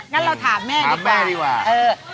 งั้นเราถามแม่ถามแม่ดีกว่าเออ